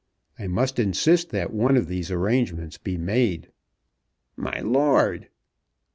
I must insist that one of these arrangements be made." "My lord!"